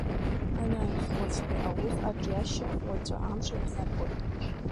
Анаҩсан, уаҵәтәи аус аҿиашьа, уаҵәтәи амш иаҳнарбоит.